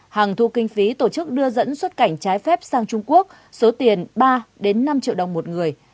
hàng thu kinh phí tổ chức đưa dẫn xuất cảnh trái phép sang trung quốc số tiền ba năm triệu đồng một người